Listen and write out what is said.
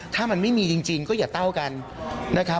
ถ้ามันไม่มีจริงก็อย่าเต้ากันนะครับ